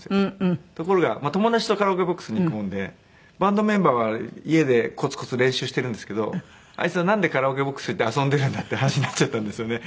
ところが友達とカラオケボックスに行くもんでバンドメンバーは家でコツコツ練習してるんですけどあいつはなんでカラオケボックスに行って遊んでるんだって話になっちゃったんですよね。